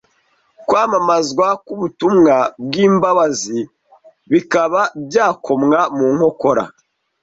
kwamamazwa k’ubutumwa bw’imbabazi bikaba byakomwa mu nkokora.